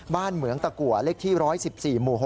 เหมืองตะกัวเลขที่๑๑๔หมู่๖